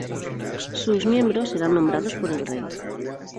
Sus miembros eran nombrados por el Rey.